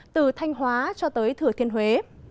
từ thanh hóa cho tới thừa thiên huế